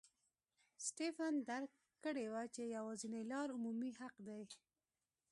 سټېفن درک کړې وه چې یوازینۍ لار عمومي حق دی.